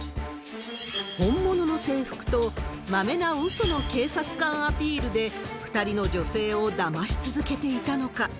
本物の制服と、まめなうその警察官アピールで、２人の女性をだまし続けていたのか。